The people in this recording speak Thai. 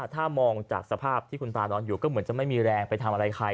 ถ้ามองจากสภาพที่คุณตานอนอยู่ก็เหมือนจะไม่มีแรงไปทำอะไรใคร